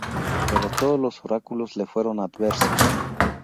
Pero todos los oráculos le fueron adversos.